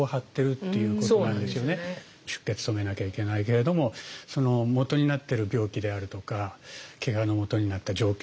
出血止めなきゃいけないけれどもそのもとになってる病気であるとかけがのもとになった状況。